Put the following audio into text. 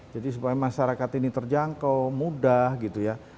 jadi supaya masyarakat ini terjangkau mudah gitu ya